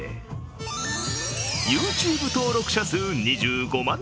ＹｏｕＴｕｂｅ登録者数２５万